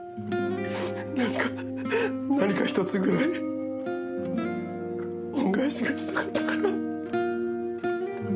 なんか何か一つぐらい恩返しがしたかったから。